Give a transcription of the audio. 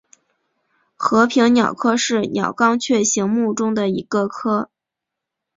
和平鸟科是鸟纲雀形目中的一个科。